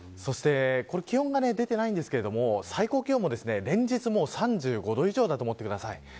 気温が出ていませんが最高気温も連日３５度以上だと思ってください。